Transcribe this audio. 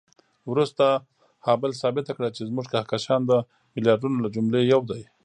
وروسته هابل ثابته کړه چې زموږ کهکشان د میلیاردونو له جملې یو دی.